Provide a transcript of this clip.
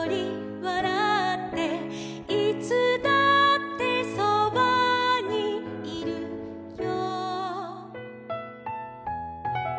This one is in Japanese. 「いつだってそばにいるよ」